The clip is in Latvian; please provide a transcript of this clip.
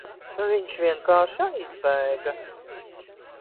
Viņš vienkārši aizbēga.